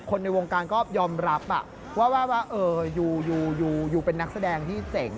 ในวงการก็ยอมรับว่าอยู่เป็นนักแสดงที่เจ๋ง